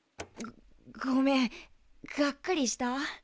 ごめんがっかりした？